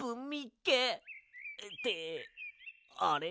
ってあれ？